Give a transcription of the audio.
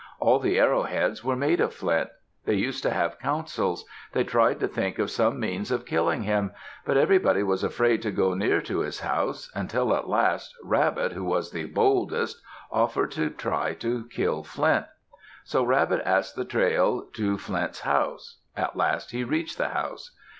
All the arrowheads were made of flint. They used to have councils. They tried to think of some means of killing him. But everybody was afraid to go near to his house, until at last Rabbit, who was the boldest, offered to try to kill Flint. So Rabbit asked the trail to Flint's house. At last he reached the house.